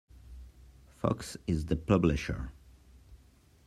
Fox is the publisher.